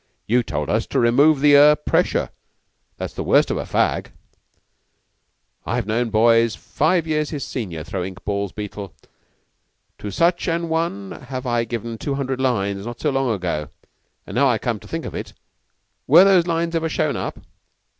"You told us to remove the er pressure. That's the worst of a fag." "I've known boys five years his senior throw ink balls, Beetle. To such an one have I given two hundred lines not so long ago. And now I come to think of it, were those lines ever shown up?"